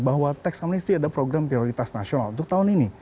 bahwa tax amnesty ada program prioritas nasional untuk tahun ini